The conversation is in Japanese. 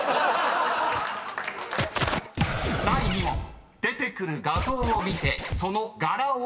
［第２問出てくる画像を見てその］